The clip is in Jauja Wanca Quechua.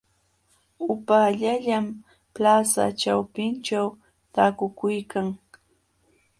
Upaallallaam plaza ćhawpinćhu taakuykan.